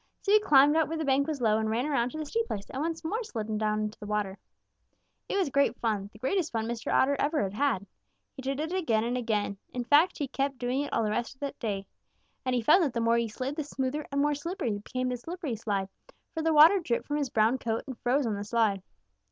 So he climbed out where the bank was low and ran around to the steep place and once more slid down into the water. It was great fun, the greatest fun Mr. Otter ever had had. He did it again and again. In fact, he kept doing it all the rest of that day. And he found that the more he slid, the smoother and more slippery became the slippery slide, for the water dripped from his brown coat and froze on the slide.